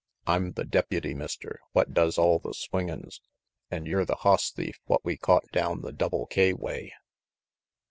I'm the deputy, Mister, what does all the swingin's, an' yer the hoss thief what we caught down the Double K way."